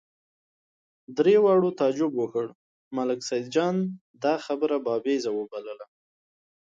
درې واړو تعجب وکړ، ملک سیدجان دا خبره بابېزه وبلله.